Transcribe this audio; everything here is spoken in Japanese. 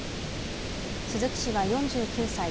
鈴木氏は４９歳。